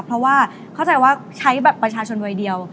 เพราะว่าเข้าใจว่าใช้บัตรประชาชนวัยเดียว